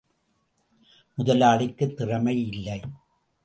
முதலாளிக்குத் திறமை இல்லை!